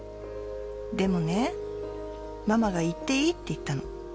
でもねママが行っていいって言ったの。